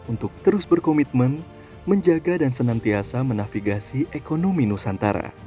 untuk terus berkomitmen menjaga dan senantiasa menavigasi ekonomi nusantara